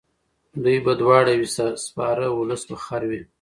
دوی به دواړه وي سپاره اولس به خر وي.